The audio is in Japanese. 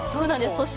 そして。